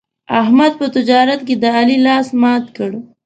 احمد په تجارت کې د علي لاس مات کړ.